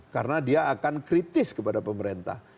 karena dia akan kritis kepada pemerintah